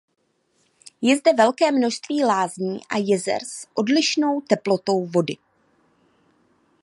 Je zde velké množství lázní a jezer s odlišnou teplotou vody.